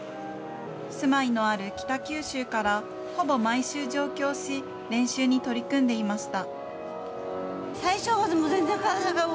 住まいのある北九州からほぼ毎週上京し、練習に取り組んでいました。